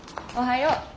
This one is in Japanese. おはよう。